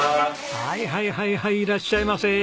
はいはいはいはいいらっしゃいませ。